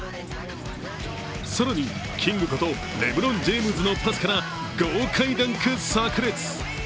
更にキングことレブロン・ジェームズのパスから豪快ダンク炸裂！